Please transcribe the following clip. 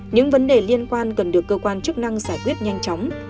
những vấn đề liên quan cần được cơ quan chức năng giải quyết nhanh chóng